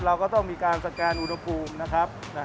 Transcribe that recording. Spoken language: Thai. เราก็ต้องมีการสแกนอุณหภูมินะครับ